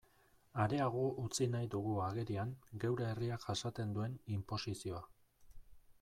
Areago utzi nahi dugu agerian geure herriak jasaten duen inposizioa.